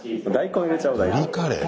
ブリカレー？